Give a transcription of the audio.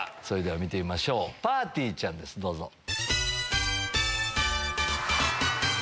それでは見てみましょうぱーてぃーちゃんですどうぞ。